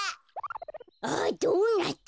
あドーナツ。